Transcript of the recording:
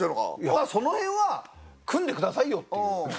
まあその辺はくんでくださいよっていう。